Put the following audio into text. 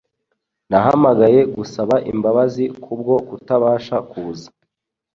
Nahamagaye gusaba imbabazi kubwo kutabasha kuza